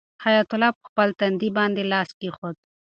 حیات الله په خپل تندي باندې لاس کېښود.